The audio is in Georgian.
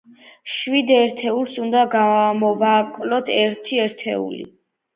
შვიდ ერთეულს უნდა გამოვაკლოთ ერთი ერთეული.